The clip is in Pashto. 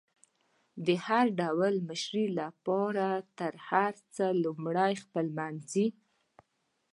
د هر ډول مشري لپاره تر هر څه لمړی خپلمنځي